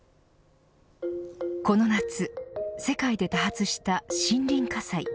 この夏世界で多発した森林火災。